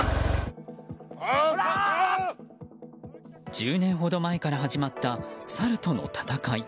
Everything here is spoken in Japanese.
１０年ほど前から始まったサルとの戦い。